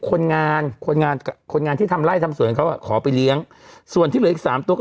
คนงานคนงานคนงานที่ทำไล่ทำสวนเขาอ่ะขอไปเลี้ยงส่วนที่เหลืออีกสามตัวก็